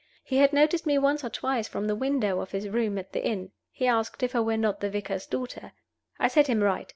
He had noticed me once or twice from the window of his room at the inn. He asked if I were not the vicar's daughter. I set him right.